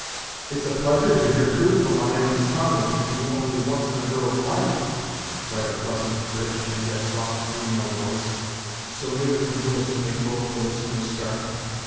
"It's a pleasure to hear truth from a man's tongue, if it be only once in a girl's life," cried a pleasant, rich, and yet soft female voice, so near the canoe as to make both the listeners start.